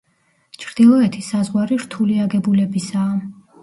ჩრდილოეთი საზღვარი რთული აგებულებისაა.